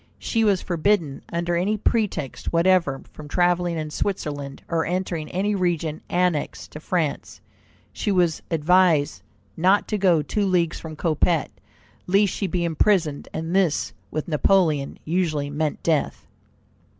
She was forbidden under any pretext whatever from travelling in Switzerland, or entering any region annexed to France. She was advised not to go two leagues from Coppet, lest she be imprisoned, and this with Napoleon usually meant death.